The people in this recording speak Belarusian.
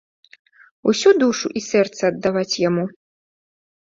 Усю душу і сэрца аддаваць яму.